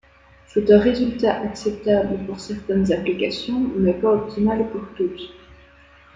C'est un résultat acceptable pour certaines applications, mais pas optimal pour toutes.